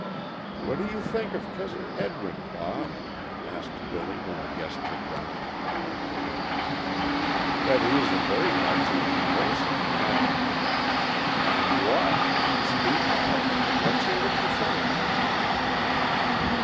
"What do you think of Cousin Edwin, Bob?" asked Billy when the guests had gone. "That he is a very excellent person, and " "And what? Speak out. Let's hear what you think."